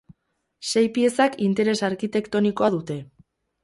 Sei piezak interes arkitektonikoa dute.